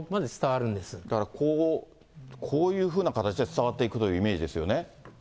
だから、こういうふうな形で伝わっていくというイメージですよね。